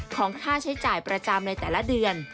ของค่าใช้จ่ายประจำในแต่ละเดือน